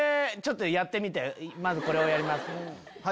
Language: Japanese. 「まずこれをやります」。